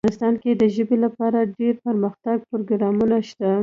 افغانستان کې د ژبې لپاره دپرمختیا پروګرامونه شته.